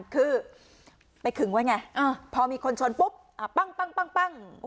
คือไปขึงไว้ไงพอมีคนชนปุ๊บปั้ง